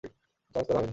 Charge করা হয়নি।